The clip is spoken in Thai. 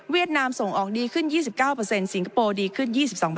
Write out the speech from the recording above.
นามส่งออกดีขึ้น๒๙สิงคโปร์ดีขึ้น๒๒